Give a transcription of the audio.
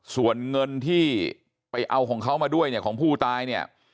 ส่วนเงินที่ไปเอาของเขามาด้วยเนี่ยของผู้ตายเนี่ย